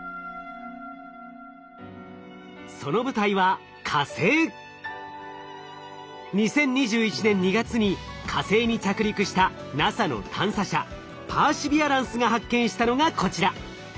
その舞台は２０２１年２月に火星に着陸したＮＡＳＡの探査車パーシビアランスが発見したのがこちら。